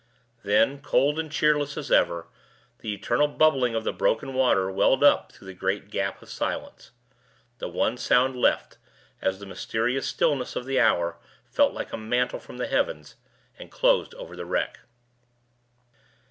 Then, cold and cheerless as ever, the eternal bubbling of the broken water welled up through the great gap of silence the one sound left, as the mysterious stillness of the hour fell like a mantle from the heavens, and closed over the wreck.